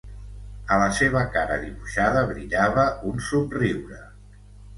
A la seva cara dibuixada brillava un somriure.